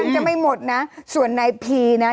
ยังไม่ได้ตอบรับหรือเปล่ายังไม่ได้ตอบรับหรือเปล่า